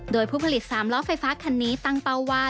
โดยผู้ผลิตสามล้อไฟฟ้าคันนี้ตั้งเป้าว่า